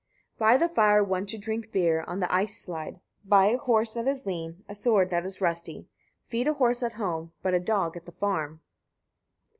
83. By the fire one should drink beer, on the ice slide; buy a horse that is lean, a sword that is rusty; feed a horse at home, but a dog at the farm.